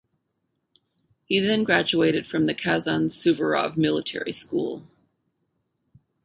He then graduated from the Kazan Suvorov Military School.